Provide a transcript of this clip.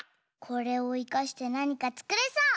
これをいかしてなにかつくれそう！